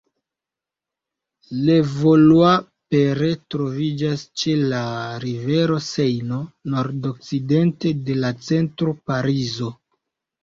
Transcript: Levallois-Perret troviĝas ĉe la rivero Sejno, nordokcidente de la centro Parizo.